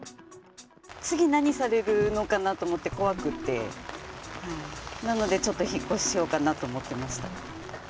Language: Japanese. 次何されるのかなと思って怖くて、なのでちょっと引っ越ししようかなと思ってました。